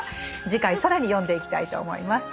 次回更に読んでいきたいと思います。